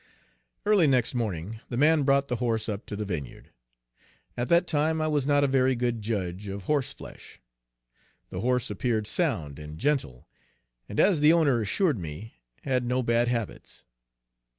Early next morning the man brought the horse up to the vineyard. At that Page 130 time I was not a very good judge of horse flesh. The horse appeared sound and gentle, and, as the owner assured me, had no bad habits.